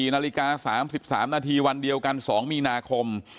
นาฬิกา๓๓นาทีวันเดียวกัน๒มีนาคม